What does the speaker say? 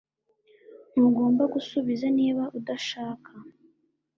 Ntugomba gusubiza niba udashaka